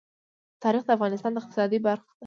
تاریخ د افغانستان د اقتصاد برخه ده.